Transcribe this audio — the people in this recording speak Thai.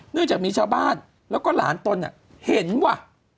จากมีชาวบ้านแล้วก็หลานตนเห็นว่ะ